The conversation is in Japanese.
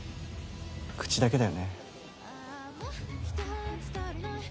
口だけだよね。